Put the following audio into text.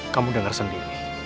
kamu dengar sendiri